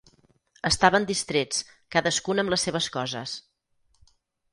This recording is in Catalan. Estaven distrets, cadascun amb les seves coses.